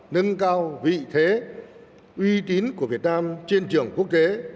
nâng cao vị thế uy tín của việt nam trên trường quốc tế